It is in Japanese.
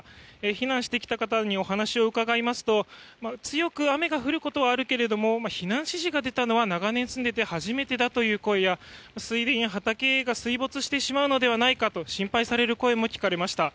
避難してきた方にお話を伺うと強く雨が降ることはあるけども避難指示が出たのは長年住んでいて初めてだという声や水田や畑が水没してしまうのではないかと心配する声も聞かれました。